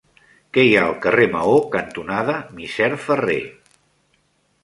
Què hi ha al carrer Maó cantonada Misser Ferrer?